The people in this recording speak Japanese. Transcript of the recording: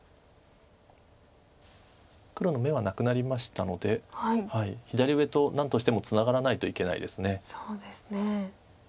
黒の眼はなくなりましたので左上と何としてもツナがらないといけないです。